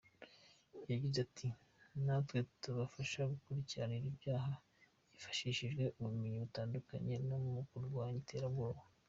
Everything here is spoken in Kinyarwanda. Yagize ati “Natwe tubafasha mu gukurikirana ibyaha hifashishijwe ubumenyi butandukanye no mu kurwanya iterabwoba.